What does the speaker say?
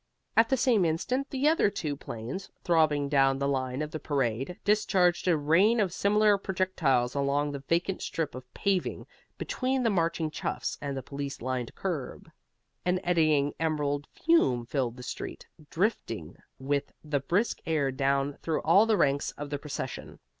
At the same instant the other two planes, throbbing down the line of the parade, discharged a rain of similar projectiles along the vacant strip of paving between the marching chuffs and the police lined curb. An eddying emerald fume filled the street, drifting with the brisk air down through all the ranks of the procession.